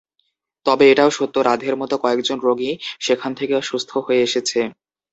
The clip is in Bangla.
তবে এটাও সত্য, রাধের মতো কয়েকজন রোগী সেখান থেকে সুস্থ হয়ে এসেছে।